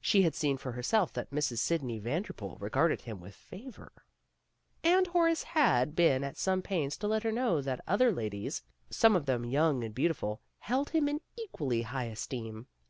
She had seen for herself that Mrs. Sidney Vander pool regarded him with favor, and Horace had PEGGY RAYMOND'S WAY been at some pains to let her know that other ladies, some of them young and beautiful, held him in equally high esteem.